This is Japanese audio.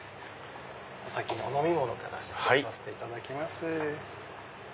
お先にお飲み物から失礼させていただきます。